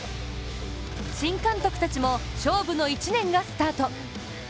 新監督たちも勝負の１年がスタート。